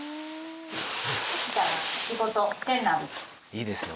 いいですね